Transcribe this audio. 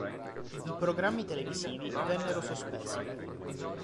I programmi televisivi vennero sospesi.